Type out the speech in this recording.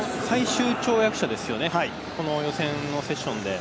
最終跳躍者ですよね、この予選のセッションで。